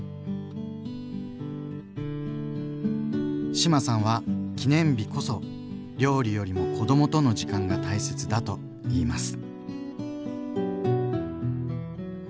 志麻さんは記念日こそ料理よりも子どもとの時間が大切だと言います。